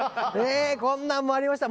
こんなのもありました。